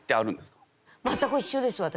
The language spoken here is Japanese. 全く一緒です私。